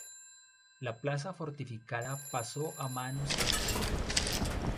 La plaza fortificada pasó a manos castellanas.